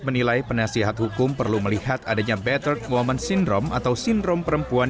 menilai penasihat hukum perlu melihat adanya better woman syndrome atau sindrom perempuan